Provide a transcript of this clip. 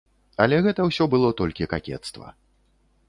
Але гэта ўсё было толькі какецтва.